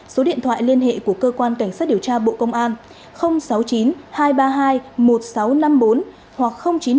số điện thoại liên hệ của cơ quan cảnh sát điều tra bộ công an sáu mươi chín hai trăm ba mươi hai một nghìn sáu trăm năm mươi bốn hoặc chín mươi một sáu trăm bảy mươi bảy bảy nghìn bảy trăm sáu mươi bảy